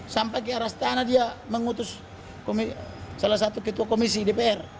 sampai ke arah setara dia mengutus salah satu ketua komisi dpr